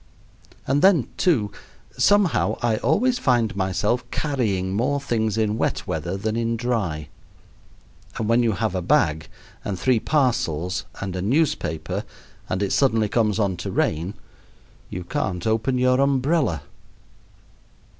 And then, too, somehow I always find myself carrying more things in wet weather than in dry; and when you have a bag, and three parcels, and a newspaper, and it suddenly comes on to rain, you can't open your umbrella.